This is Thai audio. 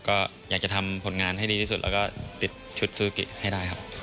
ก็อยากจะทำผลงานให้ดีที่สุดแล้วก็ติดชุดซูกิให้ได้ครับ